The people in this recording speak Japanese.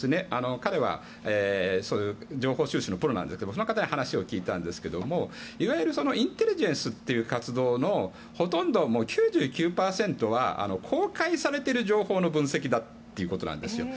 彼はそういう情報収集のプロなんですがその方に話を聞いたんですがいわゆるインテリジェンスという行動のほとんど、９９％は公開されている情報の分析だということなんですよ。